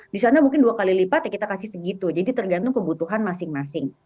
di sana mungkin dua kali lipat ya kita kasih segitu jadi tergantung kebutuhan masing masing